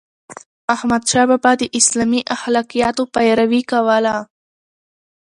احمدشاه بابا د اسلامي اخلاقياتو پیروي کوله.